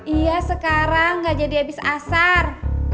iya sekarang gak jadi habis asar